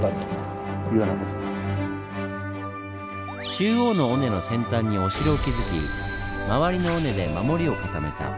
中央の尾根の先端にお城を築き周りの尾根で守りを固めた小田原城。